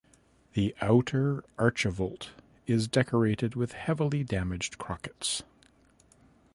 The outer archivolt is decorated with heavily damaged crockets.